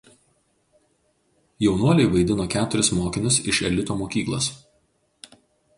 Jaunuoliai vaidino keturis mokinius iš Elito mokyklos.